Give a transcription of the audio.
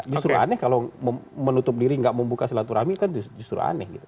justru aneh kalau menutup diri nggak membuka silaturahmi kan justru aneh gitu